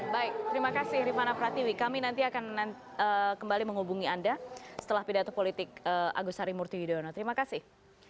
baik terima kasih rifana pratiwi kami nanti akan kembali menghubungi anda setelah pidato politik agus harimurti yudhoyono terima kasih